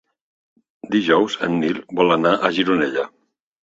Dijous en Nil vol anar a Gironella.